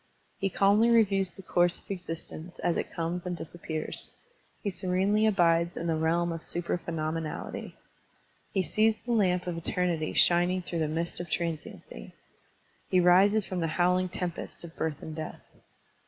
He calmly reviews the course of exist ence as it comes and disappears. He serenely abid^ in the realm of supra phenomenality. He Digitized by Google THE SUPRA PHENOMENAL II7 sees the lamp of eternity shining through the mist of transiency. He rises from the howling tempest of birth and death.